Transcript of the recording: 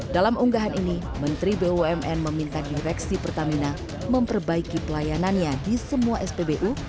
dalam unggahan ini menteri bumn meminta direksi pertamina memperbaiki pelayanannya di semua spbu